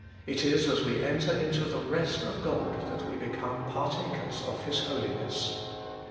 It is as we enter into the rest of God that we become partakers of His Holiness.